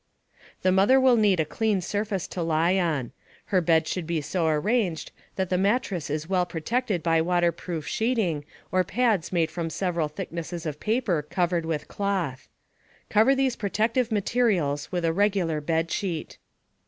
The mother will need a clean surface to lie on. Her bed should be so arranged that the mattress is well protected by waterproof sheeting or pads made from several thicknesses of paper covered with cloth. Cover these protective materials with a regular bedsheet.